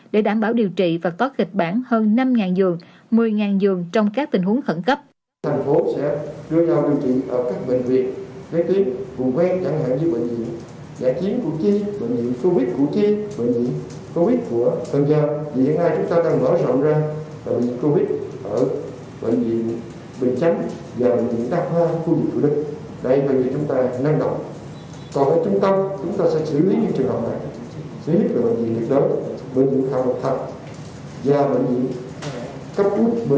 để đảm bảo điều trị và có kịch bản hơn năm giường một mươi giường trong các tình huống khẩn cấp